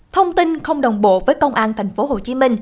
thông tin không đồng bộ với công an tp hcm